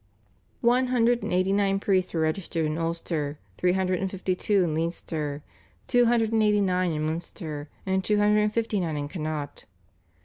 One hundred and eighty nine priests were registered in Ulster, three hundred and fifty two in Leinster, two hundred and eighty nine in Munster, and two hundred and fifty nine in Connaught.